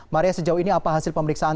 maria sejauh ini apa hasil pemeriksaan